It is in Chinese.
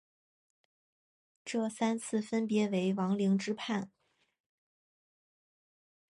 这三次分别为王凌之叛。